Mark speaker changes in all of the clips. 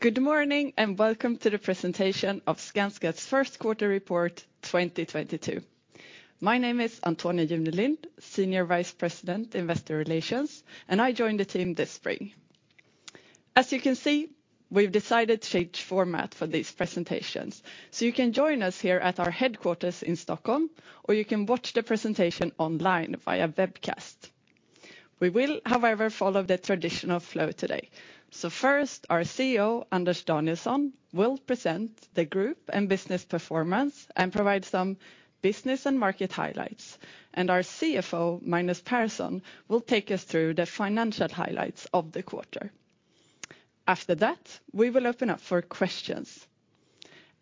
Speaker 1: Good morning, and welcome to the presentation of Skanska's First Quarter Report 2022. My name is Antonia Junelind, Senior Vice President, Investor Relations, and I joined the team this spring. As you can see, we've decided to change format for these presentations, so you can join us here at our headquarters in Stockholm, or you can watch the presentation online via webcast. We will, however, follow the traditional flow today. First, our CEO, Anders Danielsson, will present the group and business performance and provide some business and market highlights. Our CFO, Magnus Persson, will take us through the financial highlights of the quarter. After that, we will open up for questions.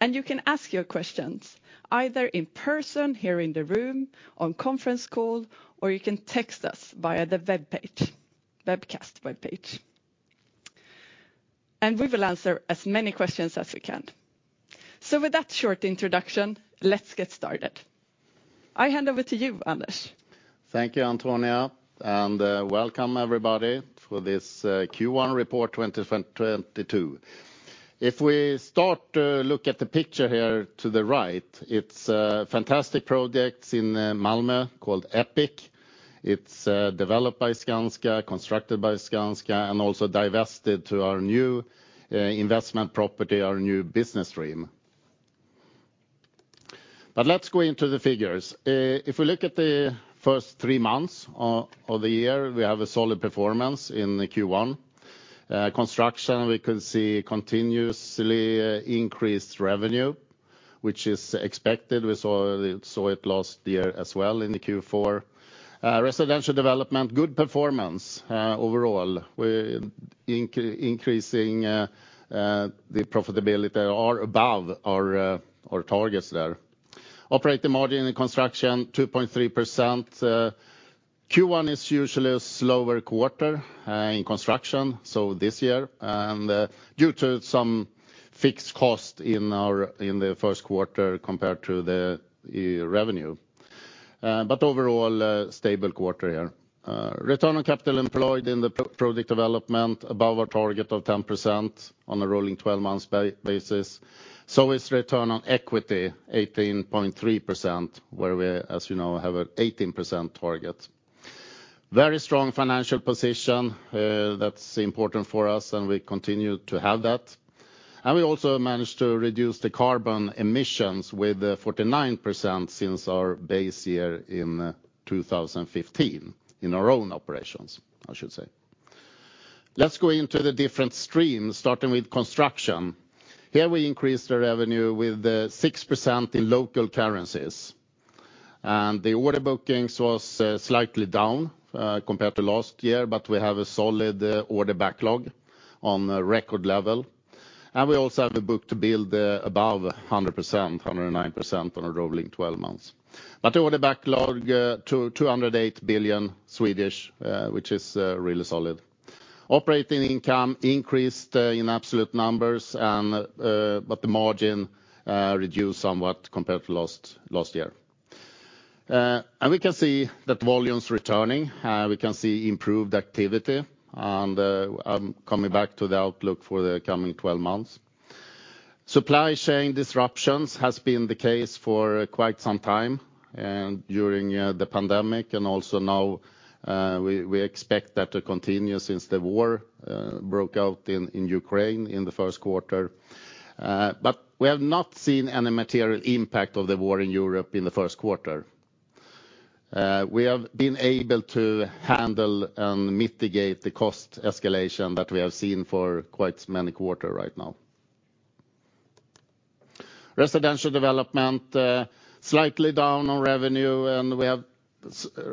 Speaker 1: You can ask your questions either in person here in the room, on conference call, or you can text us via the webpage, webcast webpage. We will answer as many questions as we can. With that short introduction, let's get started. I hand over to you, Anders.
Speaker 2: Thank you, Antonia, and welcome everybody for this Q1 report, 2022. If we start to look at the picture here to the right, it's fantastic projects in Malmö called Epic. It's developed by Skanska, constructed by Skanska, and also divested to our new Investment Properties, our new business stream. Let's go into the figures. If we look at the first three months of the year, we have a solid performance in the Q1. Construction, we can see continuously increased revenue, which is expected. We saw it last year as well in the Q4. Residential Development, good performance overall. Increasing the profitability are above our targets there. Operating margin in Construction, 2.3%. Q1 is usually a slower quarter in construction this year due to some fixed cost in the first quarter compared to the revenue. Overall, a stable quarter here. Return on capital employed in the property development above our target of 10% on a rolling 12-month basis. Return on equity 18.3%, where we, as you know, have an 18% target. Very strong financial position. That's important for us, and we continue to have that. We also managed to reduce the carbon emissions with 49% since our base year in 2015. In our own operations, I should say. Let's go into the different streams, starting with Construction. Here we increased our revenue with 6% in local currencies. The order bookings was slightly down compared to last year, but we have a solid order backlog on a record level. We also have the book-to-build above 100%, 109% on a rolling 12 months. Order backlog 228 billion, which is really solid. Operating income increased in absolute numbers and but the margin reduced somewhat compared to last year. We can see that volume's returning. We can see improved activity and coming back to the outlook for the coming 12 months. Supply chain disruptions has been the case for quite some time, and during the pandemic and also now, we expect that to continue since the war broke out in Ukraine in the first quarter. We have not seen any material impact of the war in Europe in the first quarter. We have been able to handle and mitigate the cost escalation that we have seen for quite many quarters right now. Residential Development, slightly down on revenue, and we have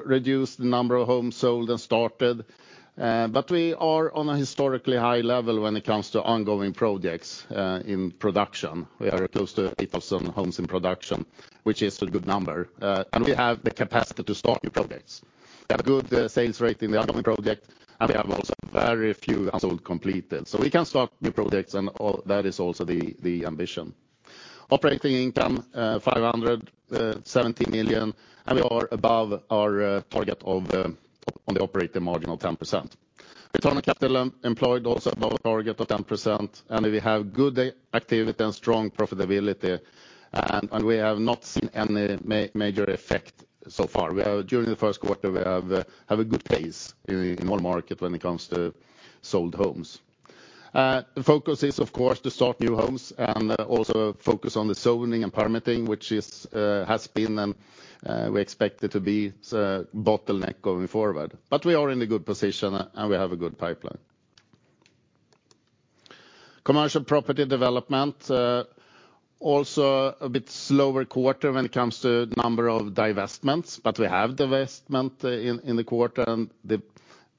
Speaker 2: reduced the number of homes sold and started. We are on a historically high level when it comes to ongoing projects in production. We are close to 8,000 homes in production, which is a good number. We have the capacity to start new projects. We have good sales rate in the ongoing project, and we have also very few unsold completed. We can start new projects and that is also the ambition. Operating income, 570 million, and we are above our target of on the operating margin of 10%. Return on capital employed also above our target of 10%, and we have good activity and strong profitability, and we have not seen any major effect so far. We have, during the first quarter, we have a good pace in our market when it comes to sold homes. The focus is, of course, to start new homes and also focus on the zoning and permitting, which has been and we expect it to be bottleneck going forward. We are in a good position, and we have a good pipeline. Commercial Property Development, also a bit slower quarter when it comes to number of divestments, but we have divestment in the quarter, and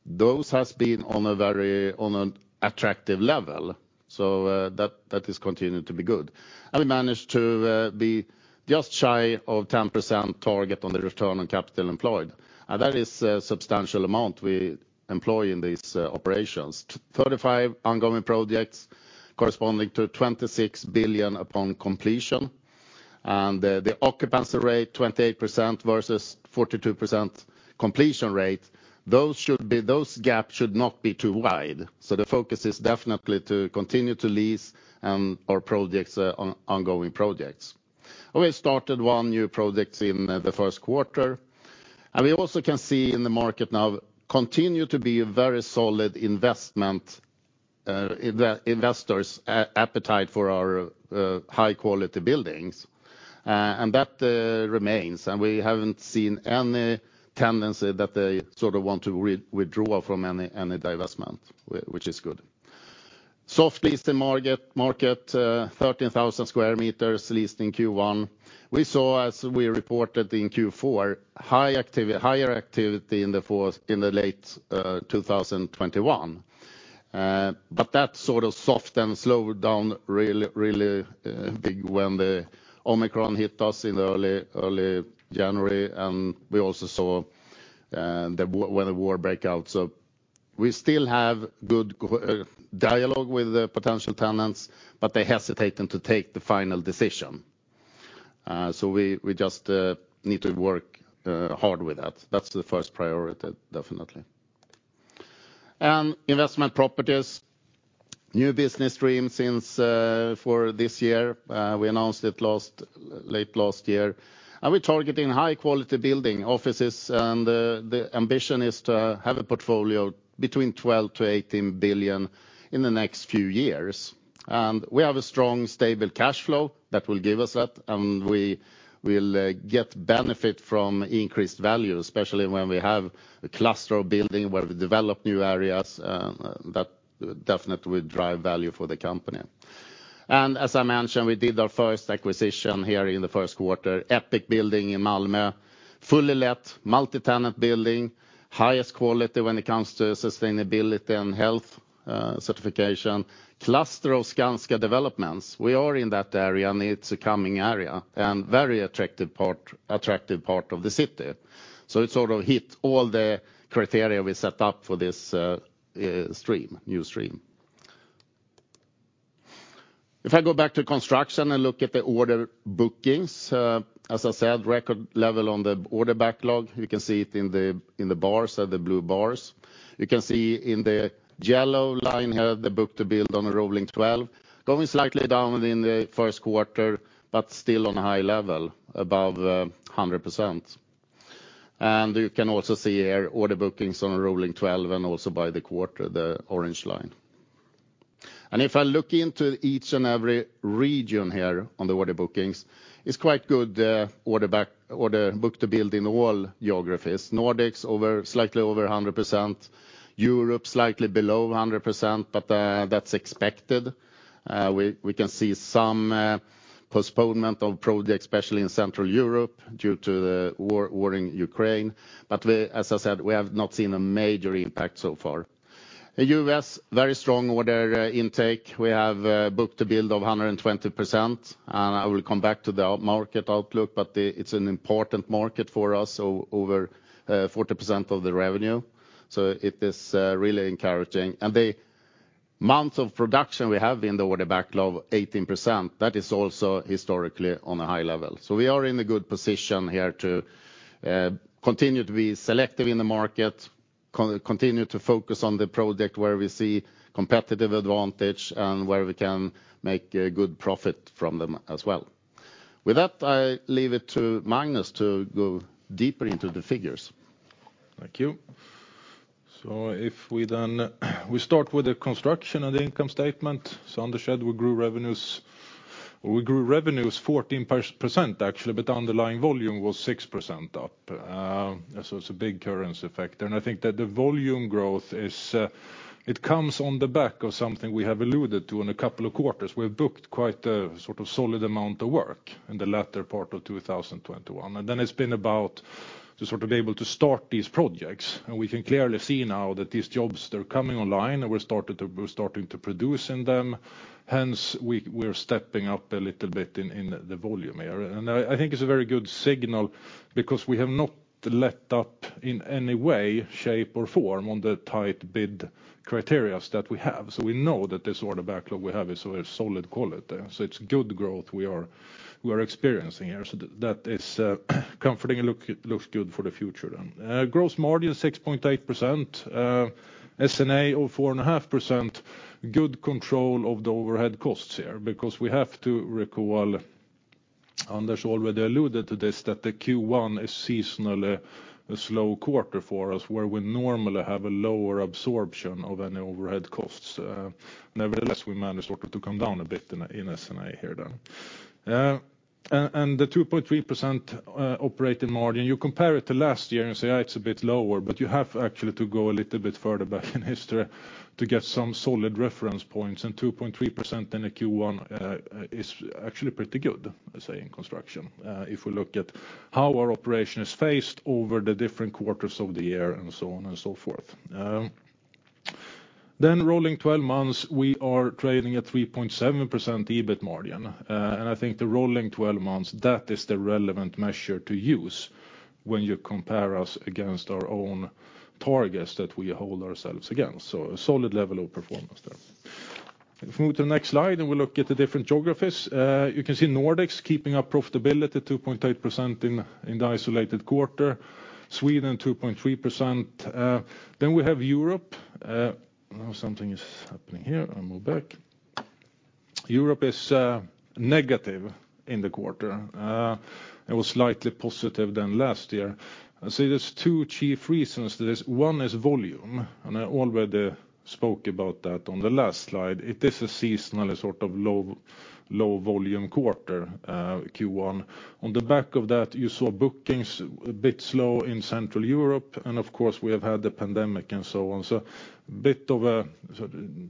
Speaker 2: those has been on an attractive level. That is continuing to be good. We managed to be just shy of 10% target on the return on capital employed. That is a substantial amount we employ in these operations. 35 ongoing projects corresponding to 26 billion upon completion. The occupancy rate, 28% versus 42% completion rate. Those should be, that gap should not be too wide. The focus is definitely to continue to lease our projects, ongoing projects. We started one new projects in the first quarter. We also can see in the market now continue to be a very solid investment, investors appetite for our high quality buildings. That remains, and we haven't seen any tendency that they sort of want to withdraw from any divestment, which is good. Soft leasing market. 13,000 sq m leased in Q1. We saw as we reported in Q4, higher activity in the late 2021. But that sort of soft and slowed down really big when the Omicron hit us in the early January, and we also saw when the war broke out. We still have good dialogue with the potential tenants, but they hesitating to take the final decision. We just need to work hard with that. That's the first priority, definitely. Investment Properties. New business stream since for this year, we announced it late last year. We're targeting high-quality office buildings. The ambition is to have a portfolio between 12 billion-18 billion in the next few years. We have a strong, stable cash flow that will give us that, and we will get benefit from increased value, especially when we have a cluster of buildings where we develop new areas. That definitely will drive value for the company. As I mentioned, we did our first acquisition here in the first quarter, Epic building in Malmö. Fully let, multi-tenant building, highest quality when it comes to sustainability and health certification. Cluster of Skanska developments. We are in that area, and it's a coming area, and very attractive part of the city. It sort of hit all the criteria we set up for this new stream. If I go back to Construction and look at the order bookings, as I said, record level on the order backlog. You can see it in the bars, the blue bars. You can see in the yellow line here, the book-to-build on a rolling 12. Going slightly down in the first quarter, but still on a high level, above 100%. You can also see here order bookings on a rolling 12, and also by the quarter, the orange line. If I look into each and every region here on the order bookings, it's quite good, order book-to-build in all geographies. Nordics over slightly over 100%. Europe slightly below 100%, but that's expected. We can see some postponement of projects, especially in Central Europe, due to the war in Ukraine. We, as I said, have not seen a major impact so far. In U.S., very strong order intake. We have book-to-build of 120%. I will come back to the overall market outlook, but it's an important market for us, so over 40% of the revenue. It is really encouraging. The months of production we have in the order backlog, 18%, that is also historically on a high level. We are in a good position here to continue to be selective in the market, continue to focus on the project where we see competitive advantage and where we can make a good profit from them as well. With that, I leave it to Magnus to go deeper into the figures.
Speaker 3: Thank you. If we start with the construction and income statement. Anders said we grew revenues 14% actually, but underlying volume was 6% up. It's a big currency effect. I think that the volume growth it comes on the back of something we have alluded to in a couple of quarters. We've booked quite a sort of solid amount of work in the latter part of 2021. It's been about to sort of be able to start these projects. We can clearly see now that these jobs, they're coming online, and we're starting to produce in them. Hence, we're stepping up a little bit in the volume area. I think it's a very good signal because we have not let up in any way, shape, or form on the tight bid criteria that we have. We know that this order backlog we have is of a solid quality. It's good growth we are experiencing here. That is comforting. Look, it looks good for the future. Gross margin 6.8%, SG&A of 4.5%. Good control of the overhead costs here because we have to recall, Anders already alluded to this, that the Q1 is seasonally a slow quarter for us, where we normally have a lower absorption of any overhead costs. Nevertheless, we managed sort of to come down a bit in SG&A here, though. The 2.3%, operating margin, you compare it to last year and say, it's a bit lower, but you have actually to go a little bit further back in history to get some solid reference points. 2.3% in the Q1 is actually pretty good, I say, in construction. If we look at how our operation is phased over the different quarters of the year and so on and so forth. Rolling 12 months, we are trading at 3.7% EBIT margin. I think the rolling 12 months, that is the relevant measure to use when you compare us against our own targets that we hold ourselves against. A solid level of performance there. If we move to the next slide, and we look at the different geographies, you can see Nordics keeping up profitability 2.8% in the isolated quarter. Sweden 2.3%. Then we have Europe. Now something is happening here. I'll move back. Europe is negative in the quarter. It was slightly positive than last year. I see there's two chief reasons to this. One is volume, and I already spoke about that on the last slide. It is a seasonally sort of low volume quarter, Q1. On the back of that, you saw bookings a bit slow in Central Europe, and of course we have had the pandemic and so on. A bit of a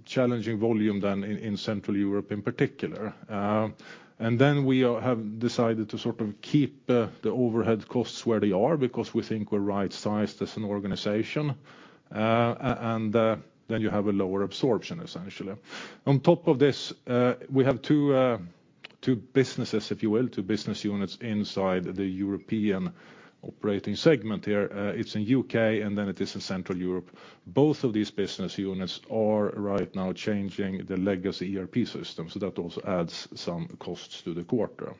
Speaker 3: challenging volume than in Central Europe in particular. We have decided to sort of keep the overhead costs where they are because we think we're right-sized as an organization. You have a lower absorption, essentially. On top of this, we have two businesses if you will, two business units inside the European operating segment here. It's in the U.K. and then it is in Central Europe. Both of these business units are right now changing the legacy ERP system, so that also adds some costs to the quarter.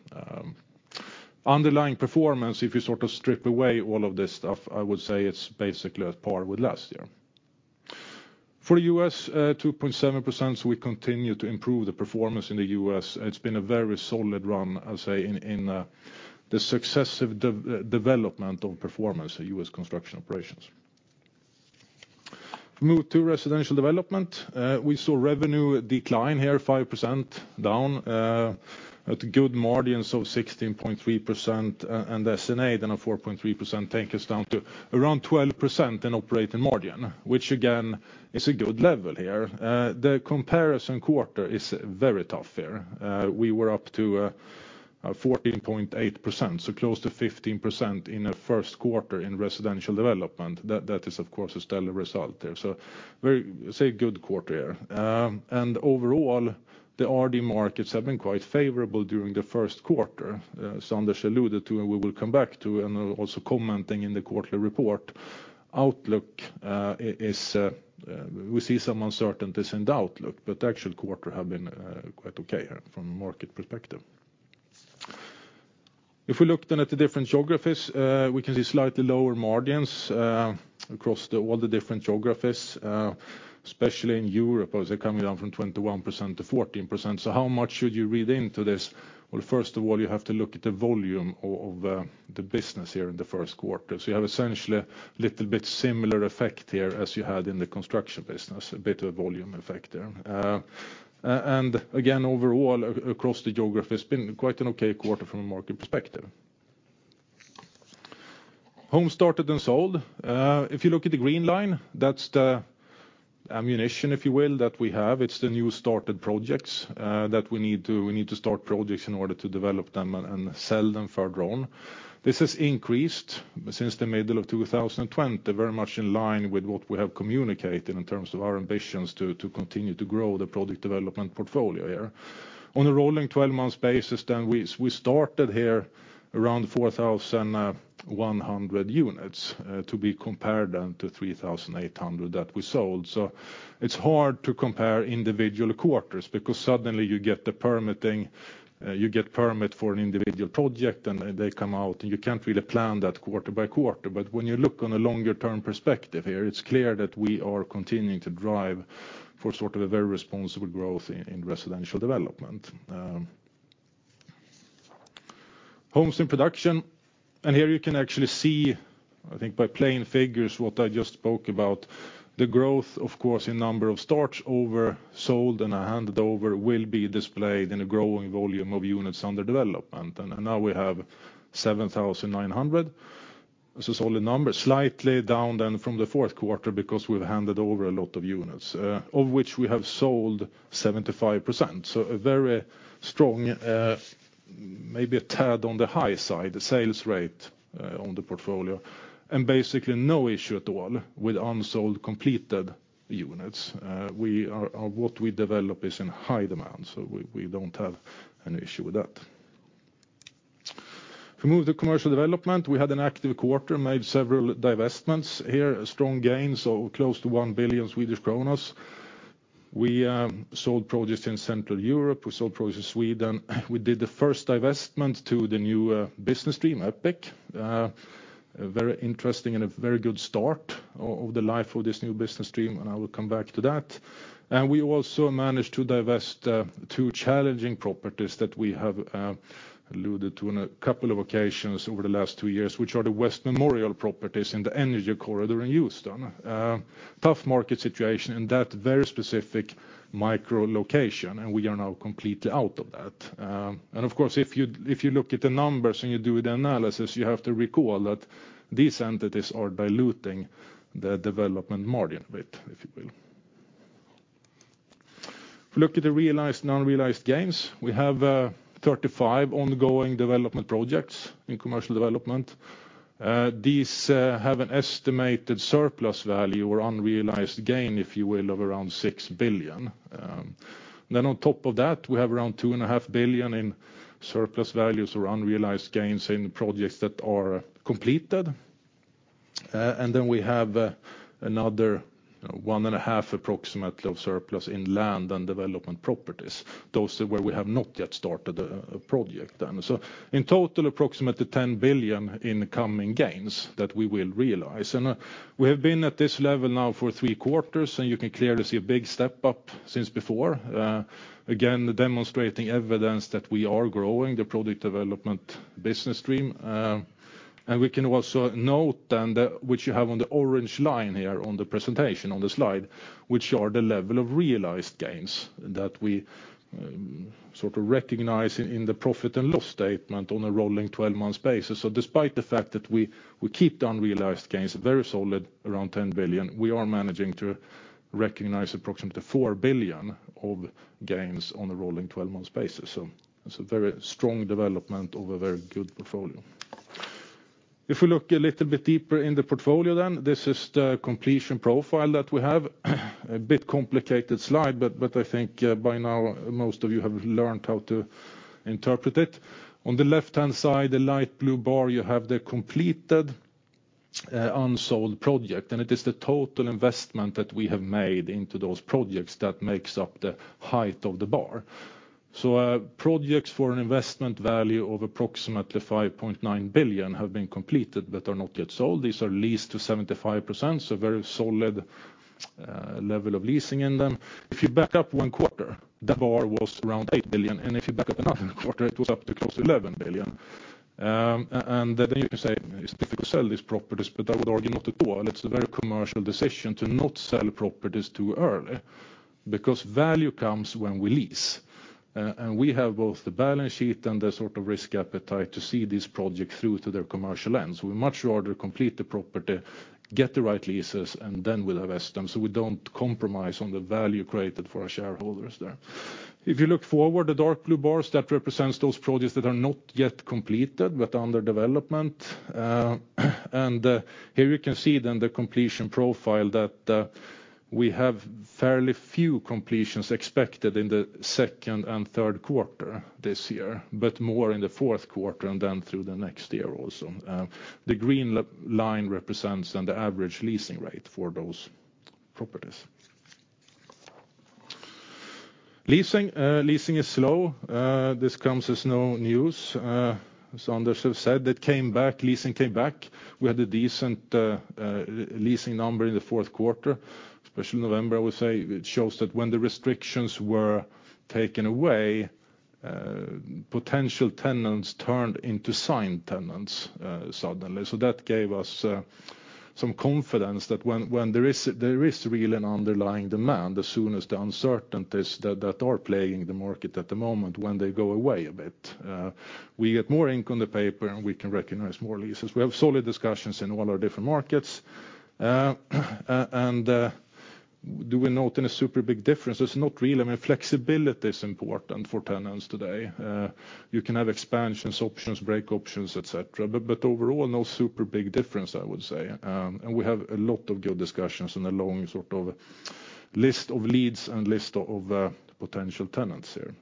Speaker 3: Underlying performance, if you sort of strip away all of this stuff, I would say it's basically at par with last year. For the U.S., 2.7%, we continue to improve the performance in the U.S. It's been a very solid run, I'll say, in the successive development of performance at U.S. construction operations. Move to Residential Development. We saw revenue decline here, 5% down, at good margins of 16.3%, and SG&A, then a 4.3% take us down to around 12% in operating margin, which again is a good level here. The comparison quarter is very tough here. We were up to 14.8%, so close to 15% in the first quarter in Residential Development. That is of course a stellar result there. Very, say, good quarter here. Overall, the RD markets have been quite favorable during the first quarter. Anders Danielsson alluded to, and we will come back to, and also commenting in the quarterly report. Outlook is we see some uncertainties in the outlook, but actual quarter have been quite okay here from a market perspective. If we look then at the different geographies, we can see slightly lower margins across all the different geographies, especially in Europe, as they're coming down from 21%-14%. How much should you read into this? Well, first of all, you have to look at the volume of the business here in the first quarter. You have essentially little bit similar effect here as you had in the construction business, a bit of volume effect there. And again, overall across the geography, it's been quite an okay quarter from a market perspective. Home Started and Sold. If you look at the green line, that's the ammunition, if you will, that we have. It's the new started projects that we need to start projects in order to develop them and sell them further on. This has increased since the middle of 2020, very much in line with what we have communicated in terms of our ambitions to continue to grow the product development portfolio here. On a rolling 12-month basis we started here around 4,100 units to be compared then to 3,800 that we sold. It's hard to compare individual quarters because suddenly you get the permitting, you get permit for an individual project, and they come out, and you can't really plan that quarter by quarter. When you look on a longer term perspective here, it's clear that we are continuing to drive for sort of a very responsible growth in Residential Development. Homes in Production. Here you can actually see, I think by plain figures, what I just spoke about. The growth, of course, in number of starts, sold and handed over will be displayed in a growing volume of units under development. Now we have 7,900. This is all the numbers. Slightly down than from the fourth quarter because we've handed over a lot of units, of which we have sold 75%. A very strong, maybe a tad on the high side sales rate, on the portfolio, and basically no issue at all with unsold completed units. What we develop is in high demand, so we don't have an issue with that. If we move to Commercial Development, we had an active quarter, made several divestments here, a strong gain, so close to 1 billion. We sold projects in Central Europe. We sold projects in Sweden. We did the first divestment to the new business stream, Epic. A very interesting and a very good start of the life of this new business stream, and I will come back to that. We also managed to divest two challenging properties that we have alluded to on a couple of occasions over the last two years, which are the West Memorial properties in the Energy Corridor in Houston. Tough market situation in that very specific micro location, and we are now completely out of that. Of course, if you look at the numbers and you do the analysis, you have to recall that these entities are diluting the development margin a bit, if you will. If we look at the Realized and Unrealized Gains, we have 35 ongoing development projects in commercial development. These have an estimated surplus value or unrealized gain, if you will, of around 6 billion. Then on top of that, we have around 2.5 billion in surplus values or unrealized gains in projects that are completed. We have another approximately SEK 1.5 billion of surplus in land and development properties. Those are where we have not yet started a project. In total, approximately 10 billion in coming gains that we will realize. We have been at this level now for three quarters, and you can clearly see a big step up since before. Again demonstrating evidence that we are growing the property development business stream. We can also note then that, which you have on the orange line here on the presentation, on the slide, which are the level of realized gains that we sort of recognize in the profit and loss statement on a rolling 12-month basis. Despite the fact that we keep the unrealized gains very solid, around 10 billion, we are managing to recognize approximately 4 billion of gains on a rolling 12-month basis. It's a very strong development of a very good portfolio. If you look a little bit deeper in the portfolio, this is the completion profile that we have. A bit complicated slide, but I think by now most of you have learned how to interpret it. On the left-hand side, the light blue bar, you have the completed unsold project, and it is the total investment that we have made into those projects that makes up the height of the bar. Projects for an investment value of approximately 5.9 billion have been completed but are not yet sold. These are leased to 75%, so very solid level of leasing in them. If you back up one quarter, the bar was around 8 billion. If you back up another quarter, it was up to close to 11 billion. You can say it's difficult to sell these properties, but I would argue not at all. It's a very commercial decision to not sell properties too early because value comes when we lease. We have both the balance sheet and the sort of risk appetite to see this project through to their commercial end. We much rather complete the property, get the right leases, and then we'll invest them so we don't compromise on the value created for our shareholders there. If you look forward, the dark blue bars, that represents those projects that are not yet completed but under development. Here you can see then the completion profile that we have fairly few completions expected in the second and third quarter this year. More in the fourth quarter and then through the next year also. The green line represents the average leasing rate for those properties. Leasing is slow. This comes as no news. As Anders have said, it came back. Leasing came back. We had a decent leasing number in the fourth quarter, especially November, I would say. It shows that when the restrictions were taken away, potential tenants turned into signed tenants suddenly. That gave us some confidence that when there is real and underlying demand, as soon as the uncertainties that are playing the market at the moment, when they go away a bit, we get more ink on the paper, and we can recognize more leases. We have solid discussions in all our different markets. Do we note any super big difference? It's not really. I mean, flexibility is important for tenants today. You can have expansions, options, break options, et cetera. Overall, no super big difference, I would say. We have a lot of good discussions and a long sort of list of leads and list of potential tenants here.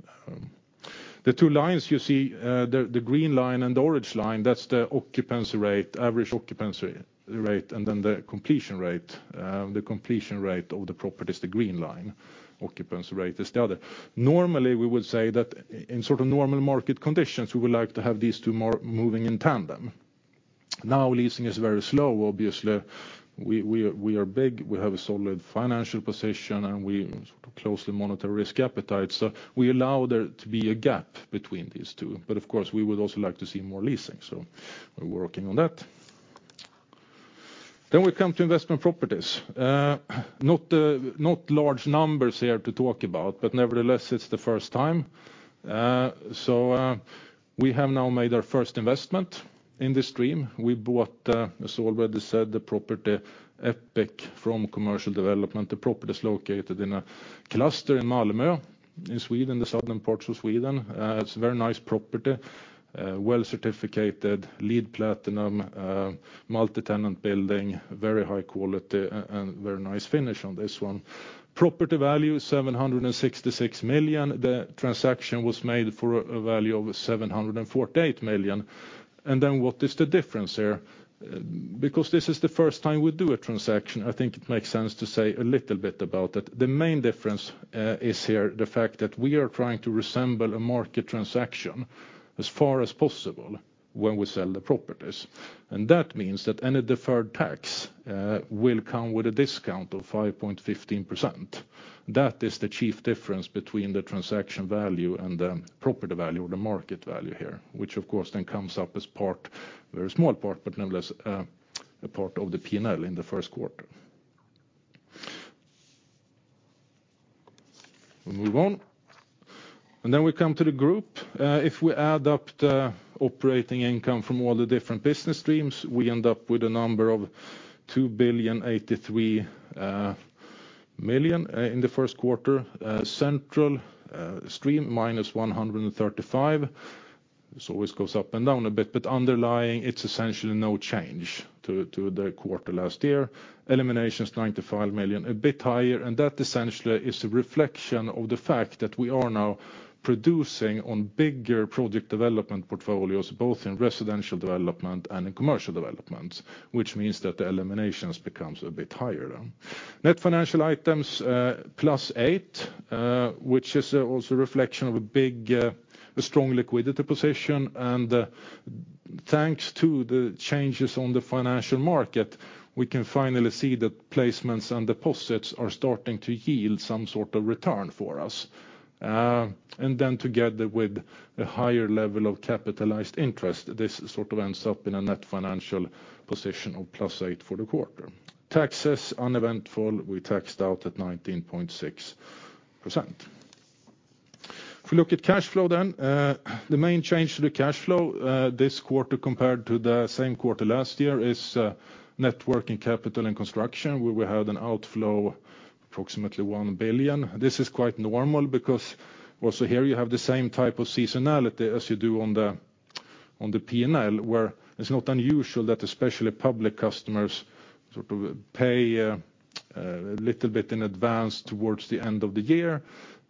Speaker 3: The two lines you see, the green line and the orange line, that's the occupancy rate, average occupancy rate, and then the completion rate. The completion rate of the property is the green line. Occupancy rate is the other. Normally, we would say that in sort of normal market conditions, we would like to have these two more moving in tandem. Now, leasing is very slow. Obviously, we are big. We have a solid financial position, and we sort of closely monitor risk appetite. We allow there to be a gap between these two. Of course, we would also like to see more leasing. We're working on that. We come to Investment Properties. Not large numbers here to talk about, but nevertheless it's the first time. We have now made our first investment in this stream. We bought, as already said, the property Epic from Commercial Development. The property is located in a cluster in Malmö in Sweden, the southern parts of Sweden. It's a very nice property, well certificated, LEED Platinum, multi-tenant building, very high quality and very nice finish on this one. Property value, 766 million. The transaction was made for a value of 748 million. What is the difference here? Because this is the first time we do a transaction, I think it makes sense to say a little bit about it. The main difference is here the fact that we are trying to resemble a market transaction as far as possible when we sell the properties. That means that any deferred tax will come with a discount of 5.15%. That is the chief difference between the transaction value and the property value or the market value here, which of course then comes up as part, very small part, but nonetheless, a part of the P&L in the first quarter. We move on. Then we come to the group. If we add up the operating income from all the different business streams, we end up with a number of 2,083 million in the first quarter. Construction stream, -135 million. It goes up and down a bit, but underlying it's essentially no change to the quarter last year. Eliminations, 95 million, a bit higher, and that essentially is a reflection of the fact that we are now producing on bigger project development portfolios, both in Residential Development and in Commercial Development, which means that the eliminations becomes a bit higher. Net financial items, +8 million, which is also a reflection of a strong liquidity position. Thanks to the changes on the financial market, we can finally see the placements and deposits are starting to yield some sort of return for us. Together with the higher level of capitalized interest, this sort of ends up in a net financial position of +8 million for the quarter. Taxes uneventful. Our tax rate is 19.6%. If we look at cash flow then, the main change to the cash flow this quarter compared to the same quarter last year is net working capital and construction, where we had an outflow of approximately 1 billion. This is quite normal because also here you have the same type of seasonality as you do on the P&L, where it's not unusual that especially public customers sort of pay a little bit in advance towards the end of the year.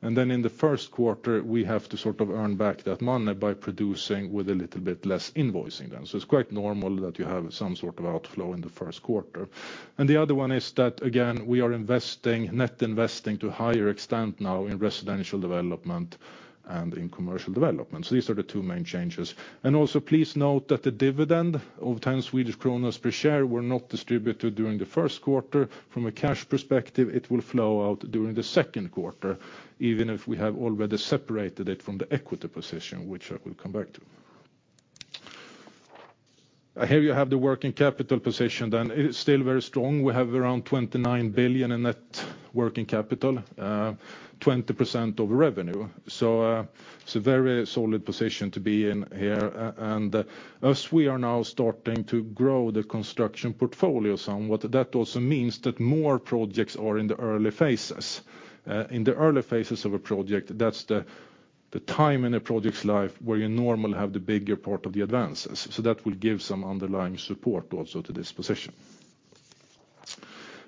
Speaker 3: In the first quarter, we have to sort of earn back that money by producing with a little bit less invoicing then. It's quite normal that you have some sort of outflow in the first quarter. The other one is that, again, we are investing, net investing to a higher extent now in Residential Development and in Commercial Development. These are the two main changes. Also please note that the dividend of 10 per share were not distributed during the first quarter. From a cash perspective, it will flow out during the second quarter, even if we have already separated it from the equity position, which I will come back to. Here you have the working capital position then. It is still very strong. We have around 29 billion in net working capital, 20% of revenue. It's a very solid position to be in here. And as we are now starting to grow the construction portfolio somewhat, that also means that more projects are in the early phases. In the early phases of a project, that's the time in a project's life where you normally have the bigger part of the advances. That will give some underlying support also to this position.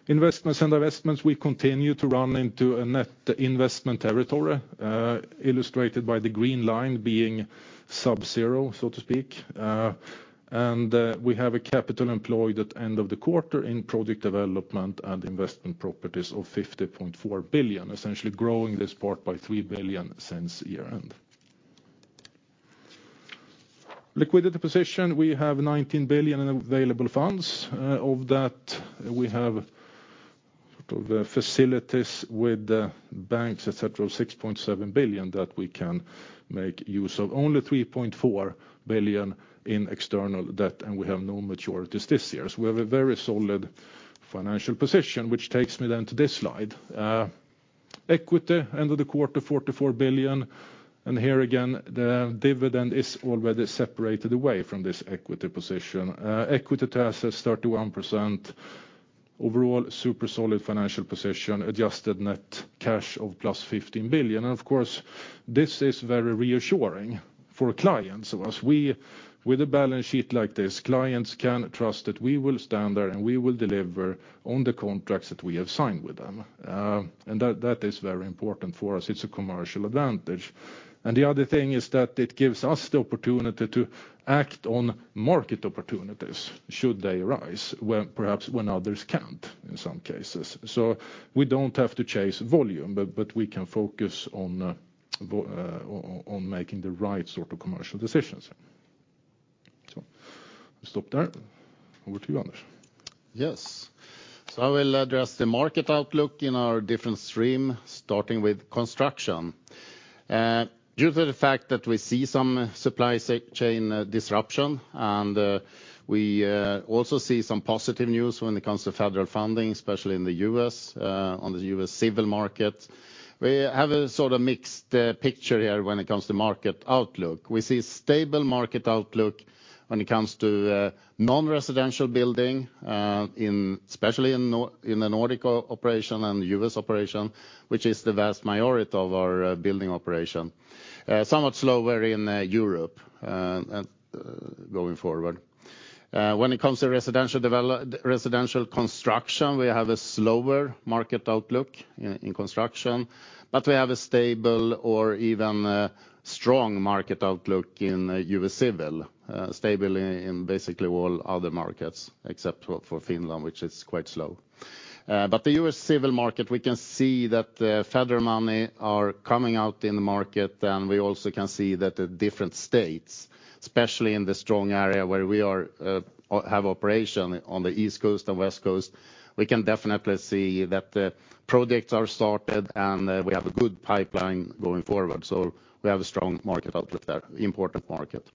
Speaker 3: Investments and Divestments, we continue to run into a net investment territory, illustrated by the green line being sub-zero, so to speak. We have capital employed at end of the quarter in Project Development and Investment Properties of 50.4 billion, essentially growing this part by 3 billion since year-end. Liquidity position, we have 19 billion in available funds. Of that we have sort of the facilities with banks, et cetera, of 6.7 billion that we can make use of. Only 3.4 billion in external debt, and we have no maturities this year. We have a very solid financial position, which takes me to this slide. Equity end of the quarter, 44 billion. Here again, the dividend is already separated away from this equity position. Equity to assets, 31%. Overall, super solid financial position. Adjusted net cash of +15 billion. Of course, this is very reassuring for clients. With a balance sheet like this, clients can trust that we will stand there and we will deliver on the contracts that we have signed with them. That is very important for us. It's a commercial advantage. The other thing is that it gives us the opportunity to act on market opportunities should they arise when, perhaps when others can't in some cases. We don't have to chase volume, but we can focus on making the right sort of commercial decisions. Let's stop there. Over to you, Anders.
Speaker 2: Yes. I will address the market outlook in our different stream, starting with construction. Due to the fact that we see some supply chain disruption, and we also see some positive news when it comes to federal funding, especially in the U.S., on the U.S. civil market, we have a sort of mixed picture here when it comes to market outlook. We see stable market outlook when it comes to non-residential building, especially in the Nordic operation and U.S. operation, which is the vast majority of our building operation. Somewhat slower in Europe going forward. When it comes to Residential Construction, we have a slower market outlook in construction, but we have a stable or even a strong market outlook in U.S. civil. Stable in basically all other markets except for Finland, which is quite slow. The U.S. civil market, we can see that the federal money are coming out in the market, and we also can see that the different states, especially in the strong area where we are, have operation on the East Coast and West Coast, we can definitely see that the projects are started, and we have a good pipeline going forward. We have a strong market out there, important market.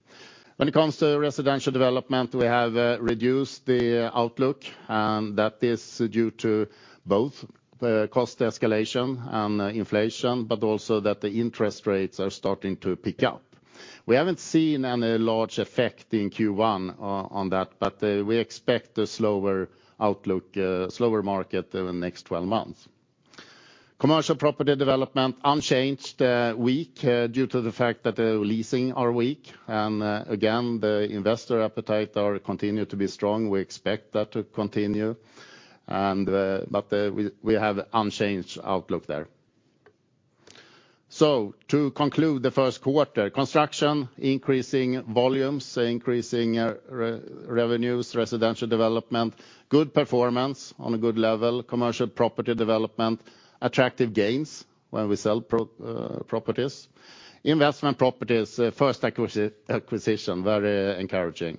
Speaker 2: When it comes to Residential Development, we have reduced the outlook, and that is due to both cost escalation and inflation, but also that the interest rates are starting to pick up. We haven't seen any large effect in Q1 on that, but we expect a slower outlook, slower market the next 12 months. Commercial Property Development unchanged, weak due to the fact that leasing is weak. Again, the investor appetite is continuing to be strong. We expect that to continue, but we have unchanged outlook there. To conclude the first quarter, Construction increasing volumes, increasing revenues, Residential Development, good performance on a good level. Commercial Property Development, attractive gains when we sell properties. Investment Properties, first acquisition, very encouraging.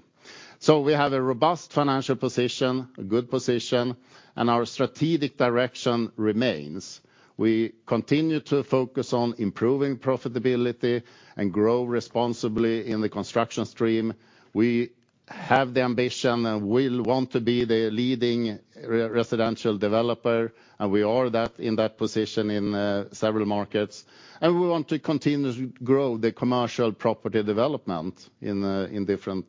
Speaker 2: We have a robust financial position, a good position, and our strategic direction remains. We continue to focus on improving profitability and grow responsibly in the Construction stream. We have the ambition and we'll want to be the leading residential developer, and we are that, in that position in several markets. We want to continue to grow the Commercial Property Development in different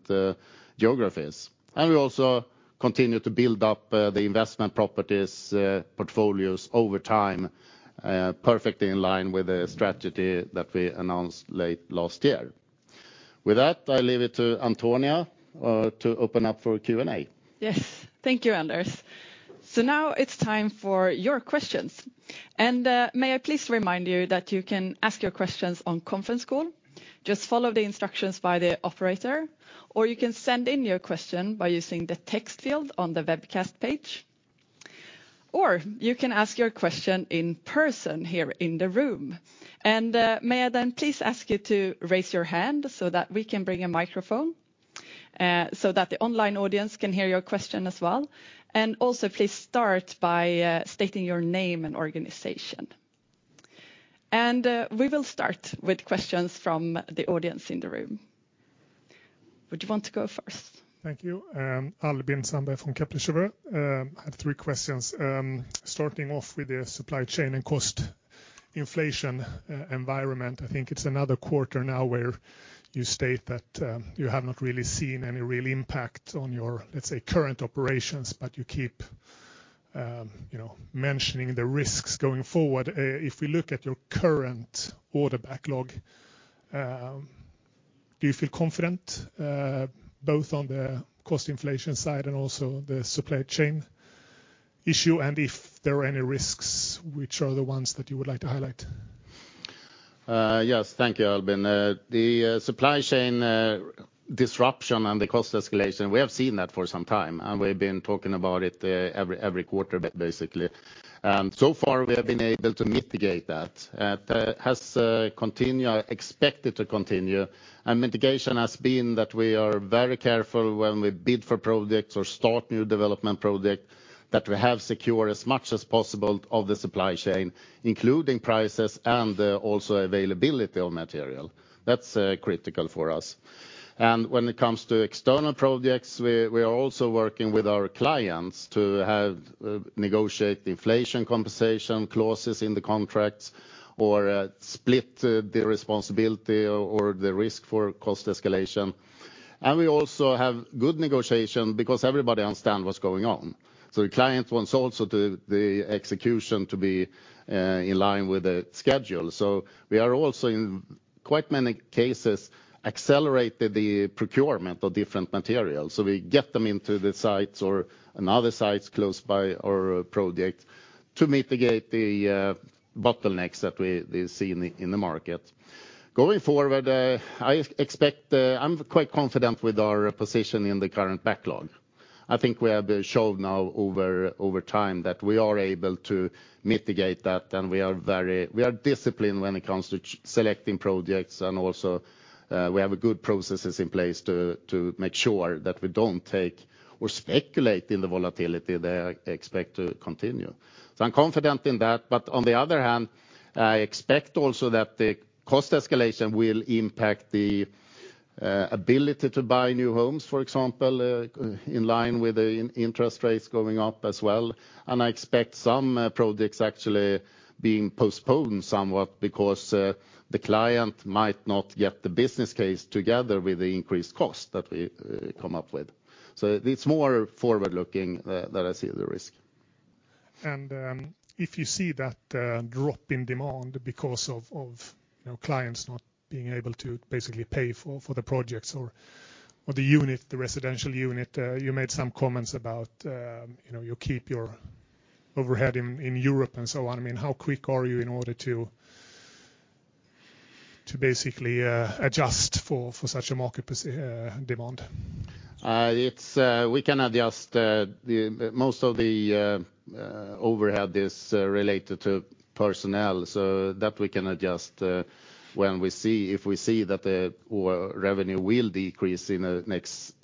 Speaker 2: geographies. We also continue to build up the Investment Properties portfolios over time, perfectly in line with the strategy that we announced late last year. With that, I leave it to Antonia to open up for Q&A.
Speaker 1: Yes. Thank you, Anders. Now it's time for your questions. May I please remind you that you can ask your questions on conference call, just follow the instructions by the operator, or you can send in your question by using the text field on the webcast page. You can ask your question in person here in the room. May I then please ask you to raise your hand so that we can bring a microphone, so that the online audience can hear your question as well. Also please start by stating your name and organization. We will start with questions from the audience in the room. Would you want to go first?
Speaker 4: Thank you. Albin Sandberg from Kepler Cheuvreux. I have three questions. Starting off with the supply chain and cost inflation environment. I think it's another quarter now where you state that you have not really seen any real impact on your, let's say, current operations, but you keep you know mentioning the risks going forward. If we look at your current order backlog, do you feel confident both on the cost inflation side and also the supply chain issue? If there are any risks, which are the ones that you would like to highlight?
Speaker 2: Yes. Thank you, Albin. The supply chain disruption and the cost escalation, we have seen that for some time, and we've been talking about it every quarter basically. So far we have been able to mitigate that. That has continued or expected to continue. Mitigation has been that we are very careful when we bid for projects or start new development project that we have secure as much as possible of the supply chain, including prices and also availability of material. That's critical for us. When it comes to external projects, we are also working with our clients to have negotiate inflation compensation clauses in the contracts or split the responsibility or the risk for cost escalation. We also have good negotiation because everybody understand what's going on. The client wants also the execution to be in line with the schedule. We are also in quite many cases accelerated the procurement of different materials. We get them into the sites or another sites close by our project to mitigate the bottlenecks that we see in the market. Going forward, I expect I'm quite confident with our position in the current backlog. I think we have showed now over time that we are able to mitigate that, and we are disciplined when it comes to selecting projects. Also, we have a good processes in place to make sure that we don't take or speculate in the volatility that I expect to continue. I'm confident in that. On the other hand, I expect also that the cost escalation will impact the ability to buy new homes, for example, in line with the interest rates going up as well. I expect some projects actually being postponed somewhat because the client might not get the business case together with the increased cost that we come up with. It's more forward-looking that I see the risk.
Speaker 4: If you see that drop in demand because of you know clients not being able to basically pay for the projects or the unit the residential unit you made some comments about you know you keep your overhead in Europe and so on. I mean how quick are you in order to basically adjust for such a market demand?
Speaker 2: Most of the overhead is related to personnel so that we can adjust if we see that our revenue will decrease in the next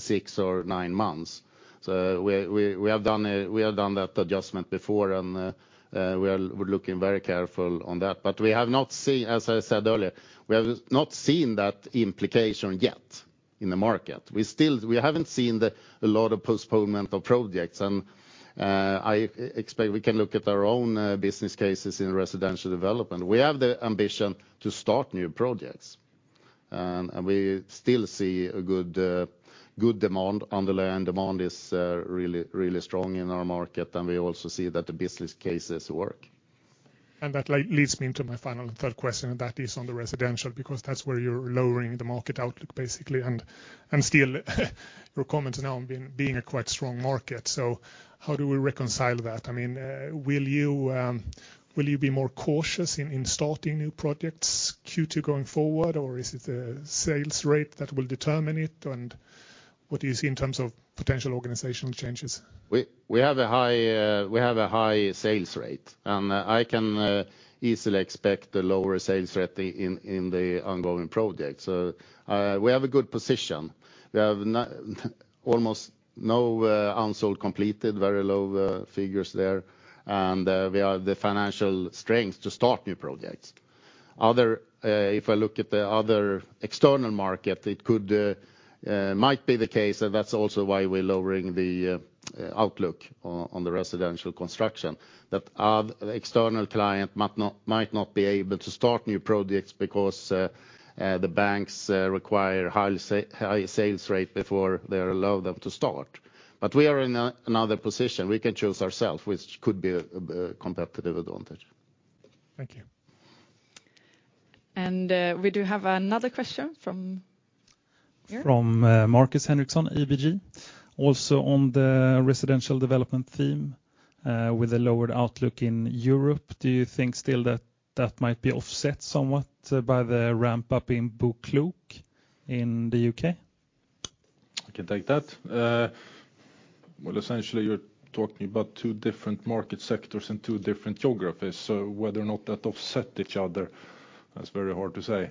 Speaker 2: six or nine months. We have done that adjustment before, and we are looking very careful on that. We have not seen, as I said earlier, we have not seen that implication yet in the market. We haven't seen a lot of postponement of projects. I expect we can look at our own business cases in Residential Development. We have the ambition to start new projects. We still see a good demand. Underlying demand is really strong in our market, and we also see that the business cases work.
Speaker 4: That like leads me into my final and third question, and that is on the residential because that's where you're lowering the market outlook basically, and still your comment now on being a quite strong market. How do we reconcile that? I mean, will you be more cautious in starting new projects Q2 going forward, or is it the sales rate that will determine it? What do you see in terms of potential organizational changes?
Speaker 2: We have a high sales rate. I can easily expect a lower sales rate in the ongoing projects. We have a good position. We have almost no unsold completed, very low figures there. We have the financial strength to start new projects. If I look at the other external market, it might be the case, and that's also why we're lowering the outlook on the residential construction, that external client might not be able to start new projects because the banks require high sales rate before they allow them to start. We are in another position. We can choose ourselves, which could be a competitive advantage.
Speaker 4: Thank you.
Speaker 1: We do have another question from here.
Speaker 5: From Markus Henriksson, ABG. Also on the residential development theme, with the lowered outlook in Europe, do you think still that might be offset somewhat by the ramp-up in BoKlok in the U.K.?
Speaker 3: I can take that. Well, essentially you're talking about two different market sectors in two different geographies. Whether or not that offset each other, that's very hard to say.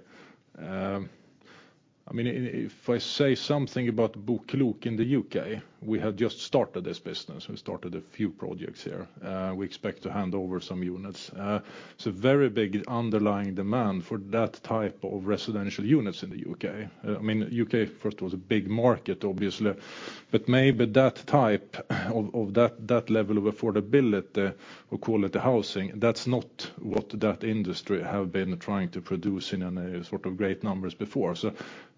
Speaker 3: I mean, if I say something about BoKlok in the U.K., we have just started this business. We started a few projects here. We expect to hand over some units. Very big underlying demand for that type of residential units in the U.K. I mean, U.K. housing was a big market obviously, but maybe that type of that level of affordability or quality housing, that's not what that industry have been trying to produce in sort of great numbers before.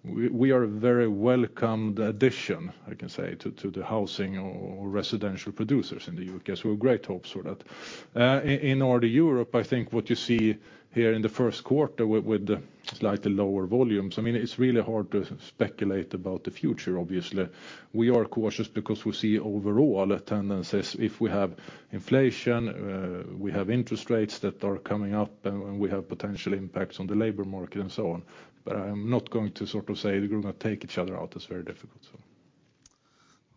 Speaker 3: We are a very welcomed addition, I can say, to the housing or residential producers in the U.K. We have great hopes for that. In our Europe, I think what you see here in the first quarter with the slightly lower volumes, I mean, it's really hard to speculate about the future obviously. We are cautious because we see overall tendencies. If we have inflation, we have interest rates that are coming up, and we have potential impacts on the labor market and so on. I am not going to sort of say they're gonna take each other out. It's very difficult, so.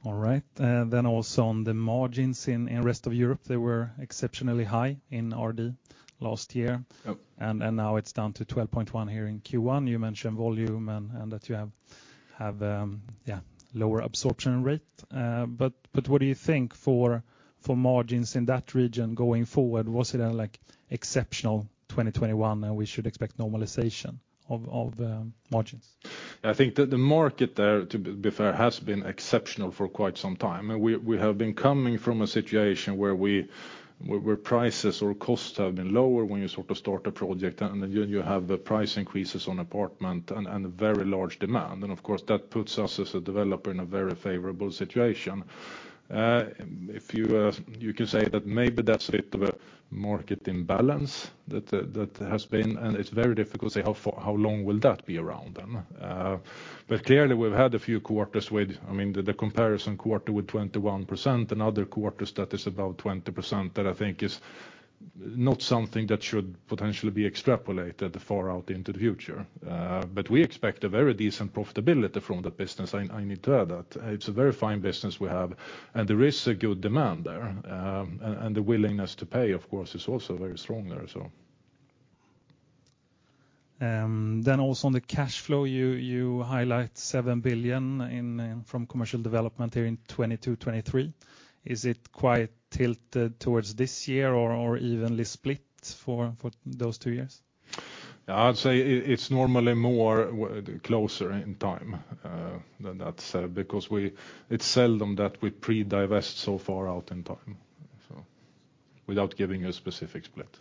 Speaker 5: All right. Also on the margins in rest of Europe, they were exceptionally high in RD last year.
Speaker 3: Yep.
Speaker 5: Now it's down to 12.1% here in Q1. You mentioned volume and that you have lower absorption rate. But what do you think for margins in that region going forward? Was it like exceptional 2021 and we should expect normalization of margins?
Speaker 3: I think the market there, to be fair, has been exceptional for quite some time. We have been coming from a situation where prices or costs have been lower when you sort of start a project, and then you have the price increases on apartment and very large demand. Of course that puts us as a developer in a very favorable situation. If you can say that maybe that's a bit of a market imbalance that has been, and it's very difficult to say how long will that be around then. Clearly we've had a few quarters with, I mean, the comparison quarter with 21% and other quarters that is about 20% that I think is not something that should potentially be extrapolated far out into the future. We expect a very decent profitability from the business. I need to add that. It's a very fine business we have, and there is a good demand there and the willingness to pay, of course, is also very strong there.
Speaker 5: Also on the cash flow, you highlight 7 billion in from commercial development here in 2022, 2023. Is it quite tilted towards this year or evenly split for those two years?
Speaker 3: I'd say it's normally more closer in time than that, sir, because it's seldom that we pre-divest so far out in time, so without giving a specific split.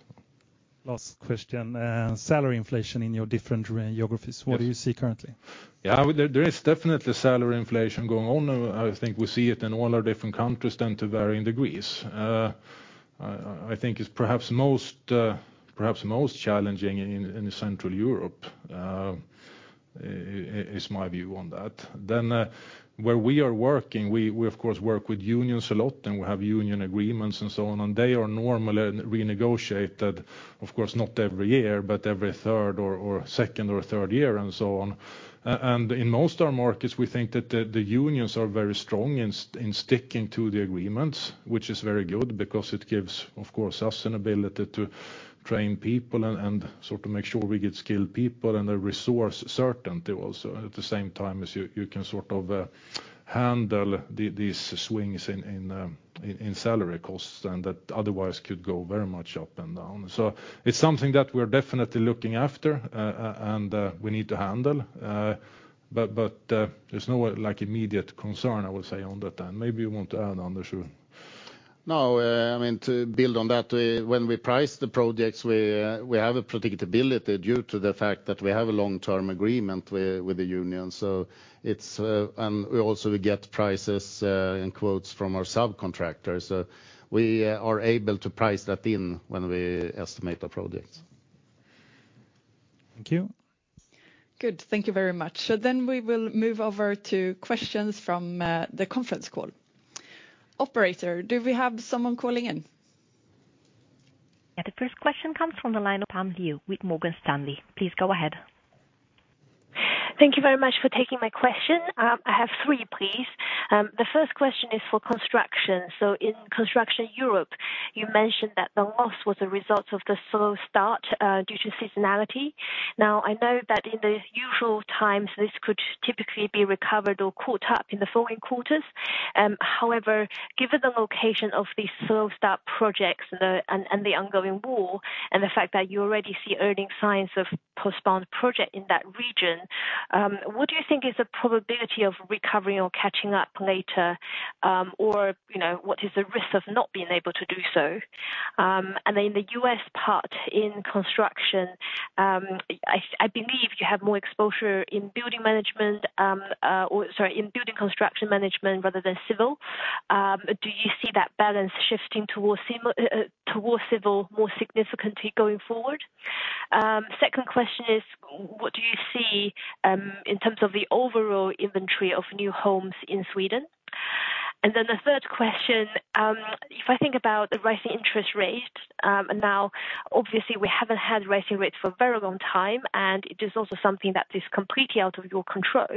Speaker 5: Last question. Salary inflation in your different geographies?
Speaker 3: Yes.
Speaker 5: What do you see currently?
Speaker 3: Yeah, there is definitely salary inflation going on. I think we see it in all our different countries to varying degrees. I think it's perhaps most challenging in Central Europe, is my view on that. Where we are working, we of course work with unions a lot, and we have union agreements and so on. They are normally renegotiated, of course, not every year, but every third or second or third year and so on. In most of our markets, we think that the unions are very strong in sticking to the agreements, which is very good because it gives, of course, us an ability to train people and sort of make sure we get skilled people and a resource certainty also at the same time as you can sort of handle these swings in salary costs and that otherwise could go very much up and down. It's something that we're definitely looking after and we need to handle. But there's no, like, immediate concern, I will say, on that then. Maybe you want to add on, Anders.
Speaker 2: No, I mean, to build on that, when we price the projects we have a predictability due to the fact that we have a long-term agreement with the union. It's, and we also get prices and quotes from our subcontractors. We are able to price that in when we estimate the projects.
Speaker 5: Thank you.
Speaker 1: Good. Thank you very much. We will move over to questions from the conference call. Operator, do we have someone calling in?
Speaker 6: Yeah. The first question comes from the line of Pam Liu with Morgan Stanley. Please go ahead.
Speaker 7: Thank you very much for taking my question. I have three, please. The first question is for Construction. In Construction Europe, you mentioned that the loss was a result of the slow start due to seasonality. Now, I know that in the usual times this could typically be recovered or caught up in the following quarters. However, given the location of these slow start projects and the ongoing war, and the fact that you already see early signs of postponed project in that region, what do you think is the probability of recovering or catching up later? Or, you know, what is the risk of not being able to do so? In the U.S. part, in Construction, I believe you have more exposure in building management or sorry, in building construction management rather than civil. Do you see that balance shifting towards civil more significantly going forward? Second question is, what do you see in terms of the overall inventory of new homes in Sweden? The third question, if I think about the rising interest rates, and now obviously we haven't had rising rates for a very long time, and it is also something that is completely out of your control.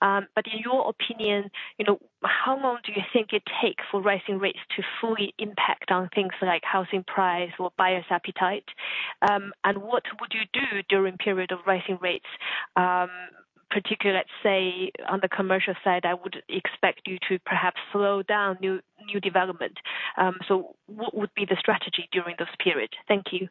Speaker 7: In your opinion, you know, how long do you think it takes for rising rates to fully impact on things like housing price or buyers' appetite? What would you do during period of rising rates, particularly, let's say, on the commercial side? I would expect you to perhaps slow down new development. What would be the strategy during this period? Thank you.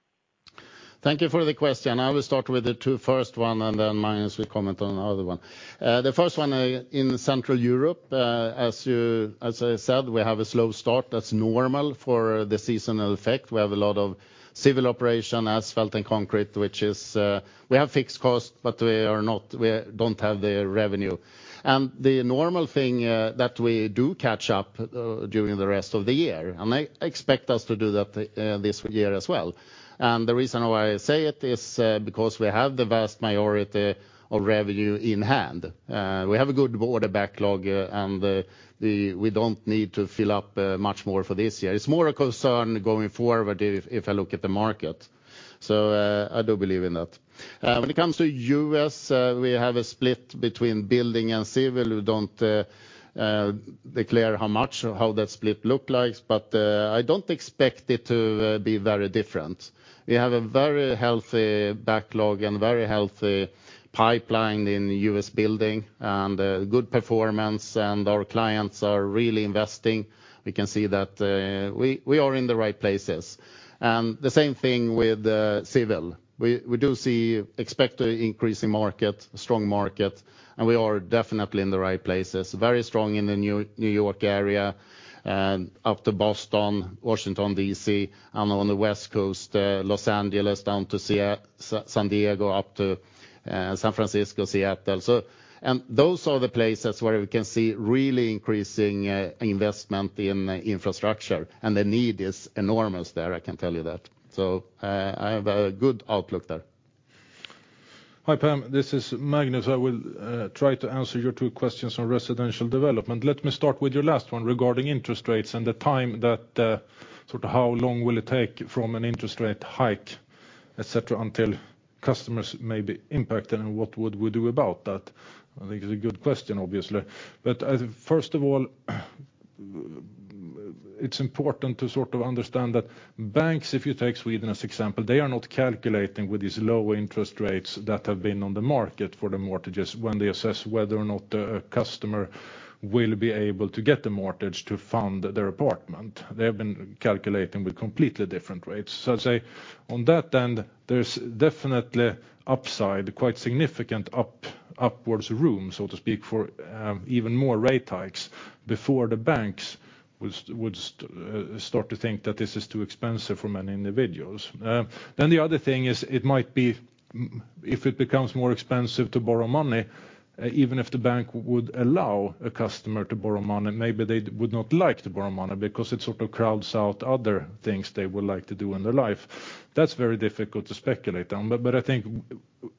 Speaker 2: Thank you for the question. I will start with the two first one, and then Magnus will comment on the other one. The first one, in Central Europe, as I said, we have a slow start. That's normal for the seasonal effect. We have a lot of civil operation, asphalt and concrete, which is, we have fixed costs, but we don't have the revenue. The normal thing that we do catch up during the rest of the year, and I expect us to do that, this year as well. The reason why I say it is, because we have the vast majority of revenue in hand. We have a good order backlog, and we don't need to fill up, much more for this year. It's more a concern going forward if I look at the market. I do believe in that. When it comes to U.S., we have a split between building and civil. We don't declare how much or how that split looks like, but I don't expect it to be very different. We have a very healthy backlog and very healthy pipeline in U.S. building, and good performance, and our clients are really investing. We can see that, we are in the right places. The same thing with civil. We do see expected increase in market, strong market, and we are definitely in the right places. Very strong in the New York area, up to Boston, Washington D.C., and on the West Coast, Los Angeles down to San Diego, up to San Francisco, Seattle. Those are the places where we can see really increasing investment in infrastructure, and the need is enormous there, I can tell you that. I have a good outlook there.
Speaker 3: Hi, Pam. This is Magnus. I will try to answer your two questions on Residential Development. Let me start with your last one regarding interest rates and the time that sort of how long will it take from an interest rate hike, et cetera, until customers may be impacted, and what would we do about that? I think it's a good question, obviously. First of all, it's important to sort of understand that banks, if you take Sweden as example, they are not calculating with these low interest rates that have been on the market for the mortgages when they assess whether or not a customer will be able to get the mortgage to fund their apartment. They have been calculating with completely different rates. I'd say on that end there's definitely upside, quite significant upwards room, so to speak, for even more rate hikes before the banks would start to think that this is too expensive for many individuals. Then the other thing is if it becomes more expensive to borrow money, even if the bank would allow a customer to borrow money, maybe they would not like to borrow money because it sort of crowds out other things they would like to do in their life. That's very difficult to speculate on. I think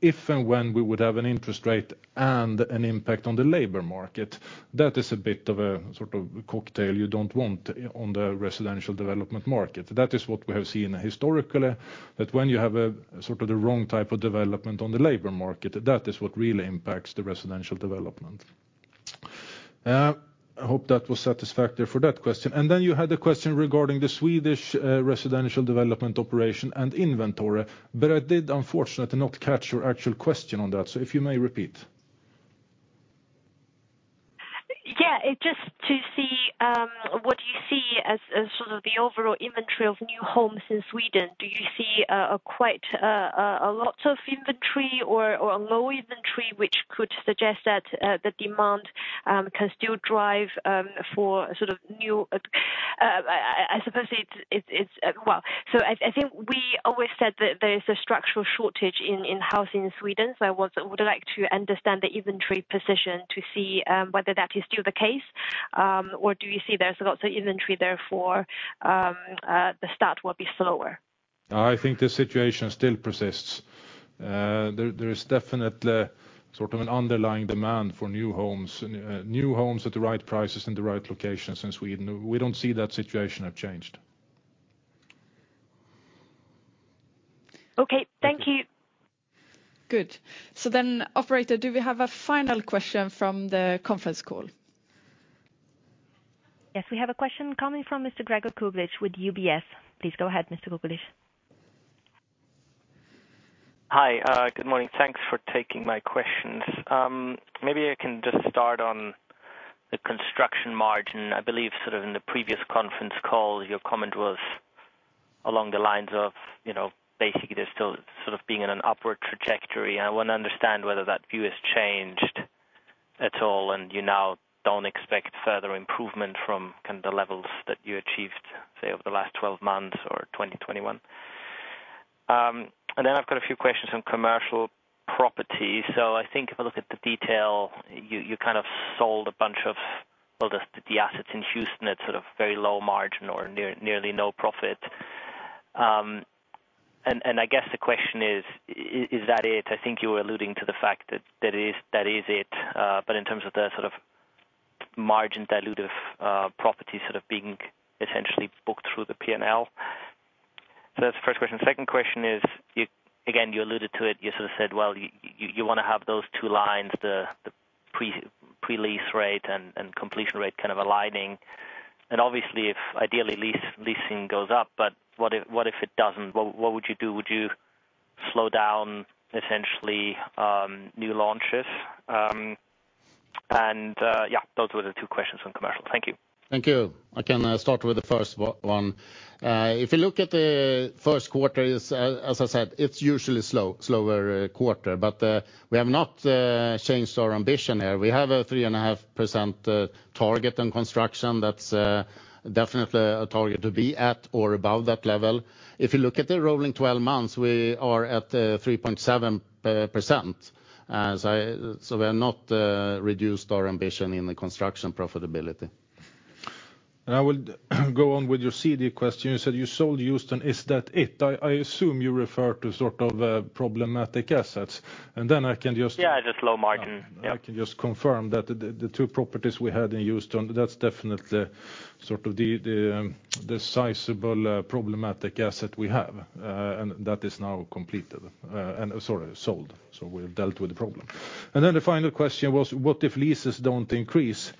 Speaker 3: if and when we would have an interest rate and an impact on the labor market, that is a bit of a sort of cocktail you don't want on the Residential Development market. That is what we have seen historically, that when you have a, sort of the wrong type of development on the labor market, that is what really impacts the residential development. I hope that was satisfactory for that question. Then you had a question regarding the Swedish, residential development operation and inventory. I did unfortunately not catch your actual question on that, so if you may repeat.
Speaker 7: Yeah. It's just to see what you see as sort of the overall inventory of new homes in Sweden. Do you see quite a lot of inventory or a low inventory which could suggest that the demand can still drive? I suppose it's. Well, I think we always said that there's a structural shortage in housing in Sweden. I would like to understand the inventory position to see whether that is still the case or do you see there's a lot of inventory, therefore the start will be slower.
Speaker 3: I think the situation still persists. There is definitely sort of an underlying demand for new homes. New homes at the right prices, in the right locations in Sweden. We don't see that situation have changed.
Speaker 7: Okay. Thank you.
Speaker 1: Good. Operator, do we have a final question from the conference call?
Speaker 6: Yes. We have a question coming from Mr. Gregor Kuglitsch with UBS. Please go ahead, Mr. Kuglitsch.
Speaker 8: Hi, good morning. Thanks for taking my questions. Maybe I can just start on the construction margin. I believe sort of in the previous conference call, your comment was along the lines of, you know, basically there's still sort of being in an upward trajectory. I wanna understand whether that view has changed at all, and you now don't expect further improvement from kind of the levels that you achieved, say over the last 12 months or 2021. I've got a few questions on commercial property. I think if I look at the detail, you kind of sold a bunch of all the assets in Houston at sort of very low margin or nearly no profit. I guess the question is that it? I think you were alluding to the fact that that is it. In terms of the sort of margin dilutive, property sort of being essentially booked through the P&L. That's the first question. Second question is, again, you alluded to it. You sort of said, well, you wanna have those two lines, the pre-lease rate and completion rate kind of aligning. Obviously if ideally leasing goes up, but what if it doesn't? What would you do? Would you slow down essentially new launches? Yeah, those were the two questions on commercial. Thank you.
Speaker 2: Thank you. I can start with the first one. If you look at the first quarter, as I said, it's usually slower quarter. We have not changed our ambition here. We have a 3.5% target on construction. That's definitely a target to be at or above that level. If you look at the rolling 12 months, we are at 3.7%. So we have not reduced our ambition in the construction profitability.
Speaker 3: I will go on with your CD question. You said you sold Houston. Is that it? I assume you refer to sort of problematic assets. Then I can just-
Speaker 8: Yeah, just low margin. Yeah.
Speaker 3: I can just confirm that the two properties we had in Houston, that's definitely sort of the sizable problematic asset we have. That is now completed and, sorry, sold. We've dealt with the problem. The final question was what if leases don't increase?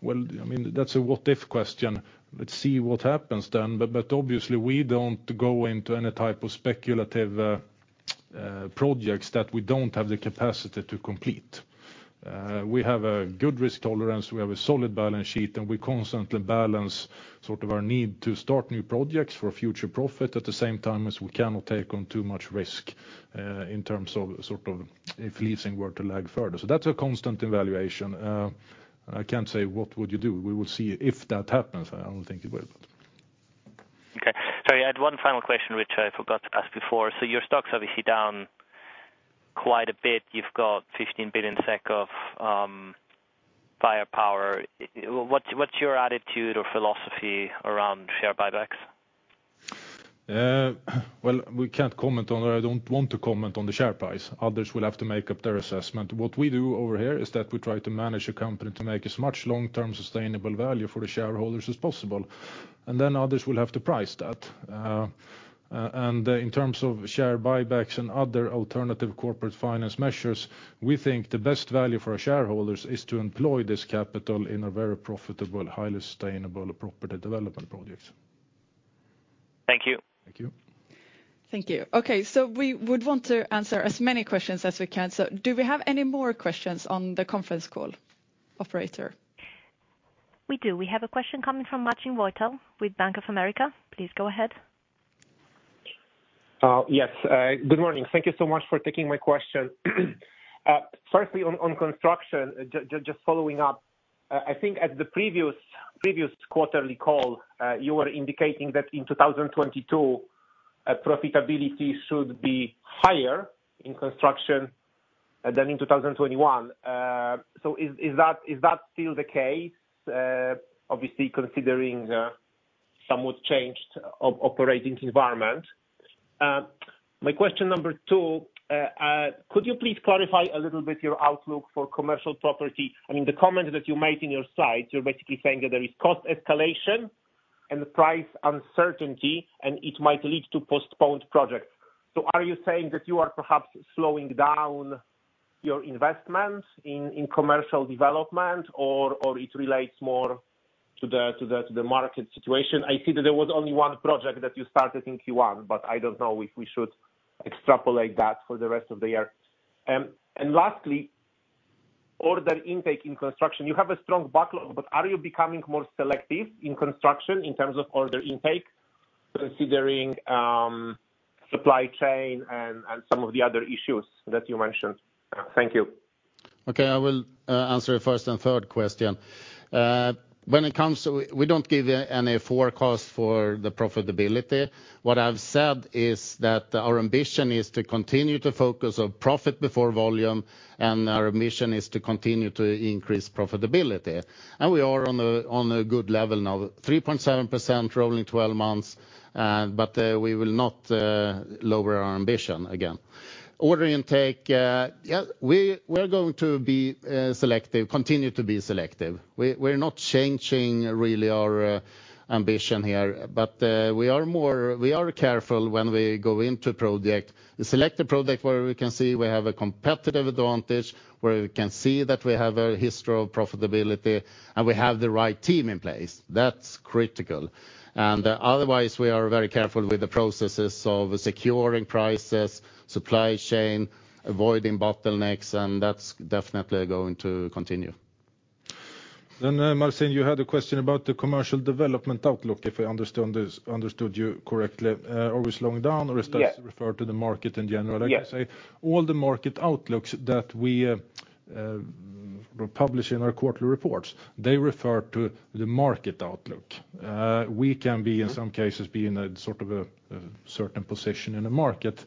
Speaker 3: Well, I mean, that's a what if question. Let's see what happens then. But obviously we don't go into any type of speculative projects that we don't have the capacity to complete. We have a good risk tolerance, we have a solid balance sheet, and we constantly balance sort of our need to start new projects for future profit at the same time as we cannot take on too much risk in terms of sort of if leasing were to lag further. That's a constant evaluation. I can't say, "What would you do?" We will see if that happens. I don't think it will.
Speaker 8: Okay. Sorry, I had one final question which I forgot to ask before. Your stock's obviously down quite a bit. You've got 15 billion SEK of firepower. What's your attitude or philosophy around share buybacks?
Speaker 3: Well, we can't comment on, or I don't want to comment on the share price. Others will have to make up their assessment. What we do over here is that we try to manage a company to make as much long-term sustainable value for the shareholders as possible. Others will have to price that. In terms of share buybacks and other alternative corporate finance measures, we think the best value for our shareholders is to employ this capital in a very profitable, highly sustainable property development projects.
Speaker 8: Thank you.
Speaker 3: Thank you.
Speaker 1: Thank you. Okay, we would want to answer as many questions as we can. Do we have any more questions on the conference call, operator?
Speaker 6: We do. We have a question coming from Marcin Wojtal with Bank of America. Please go ahead.
Speaker 9: Yes. Good morning. Thank you so much for taking my question. Firstly on Construction, just following up, I think at the previous quarterly call, you were indicating that in 2022, profitability should be higher in Construction than in 2021. Is that still the case? Obviously considering somewhat changed operating environment. My question number two, could you please clarify a little bit your outlook for Commercial Property? I mean, the comment that you made in your slide, you're basically saying that there is cost escalation and price uncertainty, and it might lead to postponed projects. Are you saying that you are perhaps slowing down your investment in Commercial Development or it relates more to the market situation? I see that there was only one project that you started in Q1, but I don't know if we should extrapolate that for the rest of the year. Lastly, order intake in Construction. You have a strong backlog, but are you becoming more selective in Construction in terms of order intake, considering supply chain and some of the other issues that you mentioned? Thank you.
Speaker 2: Okay, I will answer the first and third question. When it comes to, we don't give any forecast for the profitability. What I've said is that our ambition is to continue to focus on profit before volume, and our mission is to continue to increase profitability. We are on a good level now, 3.7% rolling 12 months, but we will not lower our ambition again. Order intake, we're going to be selective, continue to be selective. We're not changing really our ambition here, but we are careful when we go into project. We select a project where we can see we have a competitive advantage, where we can see that we have a history of profitability, and we have the right team in place. That's critical. Otherwise, we are very careful with the processes of securing prices, supply chain, avoiding bottlenecks, and that's definitely going to continue.
Speaker 3: Marcin, you had a question about the commercial development outlook, if I understood you correctly. Are we slowing down?
Speaker 9: Yes.
Speaker 3: Does that refer to the market in general?
Speaker 9: Yes.
Speaker 3: Like I say, all the market outlooks that we publish in our quarterly reports, they refer to the market outlook. We can be, in some cases, in a sort of a certain position in the market.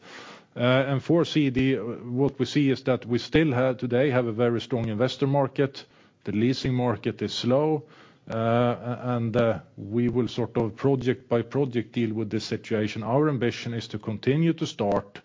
Speaker 3: For CD, what we see is that we still have today a very strong investor market. The leasing market is slow. We will sort of project by project deal with this situation. Our ambition is to continue to start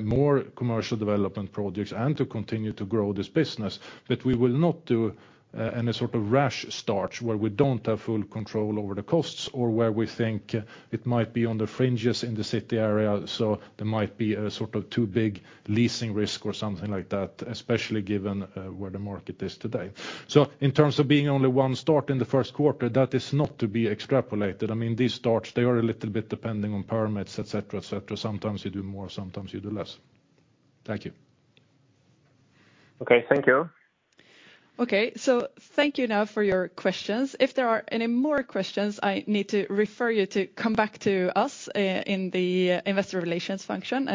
Speaker 3: more Commercial Development projects and to continue to grow this business. We will not do any sort of rash start where we don't have full control over the costs or where we think it might be on the fringes in the city area, so there might be a sort of too big leasing risk or something like that, especially given where the market is today. In terms of being only one start in the first quarter, that is not to be extrapolated. I mean, these starts, they are a little bit depending on permits, et cetera, et cetera. Sometimes you do more, sometimes you do less. Thank you.
Speaker 9: Okay, thank you.
Speaker 1: Okay, thank you now for your questions. If there are any more questions, I need to refer you to come back to us in the Investor Relations function,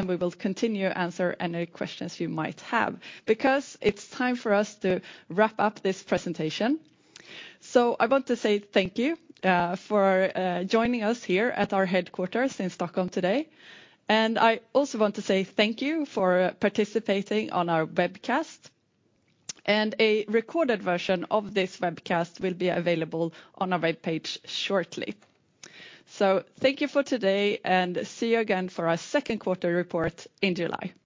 Speaker 1: and we will continue to answer any questions you might have, because it's time for us to wrap up this presentation. I want to say thank you for joining us here at our headquarters in Stockholm today. I also want to say thank you for participating on our webcast. A recorded version of this webcast will be available on our web page shortly. Thank you for today, and see you again for our second quarter report in July.